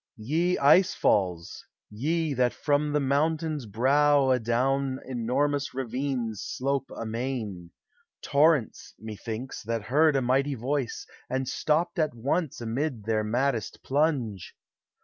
Ye ice falls! ve that from the mountain's brow Adown (mormons ravines slope amain, — Torrents, methinks, that heard a mighty voice, And stopped at once amid their maddest plunge!